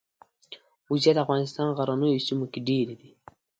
وزې د افغانستان غرنیو سیمو کې ډېرې دي